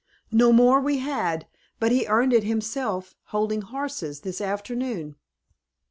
"No more we had, but he earned it himself, holding horses, this afternoon."